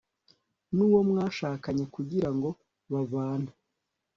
n'uwo mwashakanye kugirango babane